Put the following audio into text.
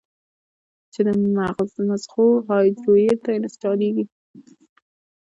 چې د مزغو هارډوئېر ته انسټاليږي